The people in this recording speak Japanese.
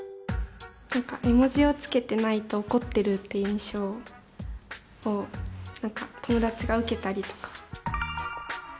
絵文字を付けてないと怒ってるっていう印象を何か友達が受けたりとか。